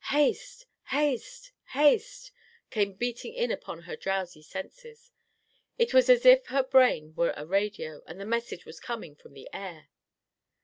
"Haste! Haste! Haste!" came beating in upon her drowsy senses. It was as if her brain were a radio, and the message was coming from the air.